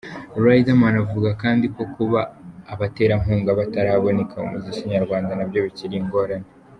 Riderman avuga kandi ko kuba abaterankunga bataraboneka mu muziki nyarwanda nabyo bikiri ingorane.